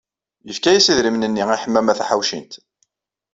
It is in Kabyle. Yefka-as idrimen-nni i Ḥemmama Taḥawcint.